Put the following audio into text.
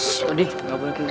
ssst adih gak boleh kayak gitu